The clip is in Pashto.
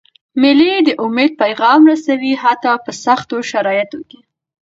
مېلې د امید پیغام رسوي، حتی په سختو شرایطو کي.